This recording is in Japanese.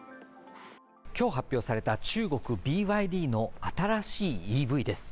今日発表された中国ＢＹＤの新しいＥＶです。